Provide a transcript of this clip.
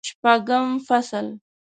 شپږم فصل